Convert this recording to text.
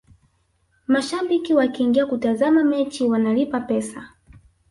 mashabiki wakiingia kutazama mechi wanalipa pesa